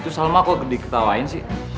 itu sama kok diketawain sih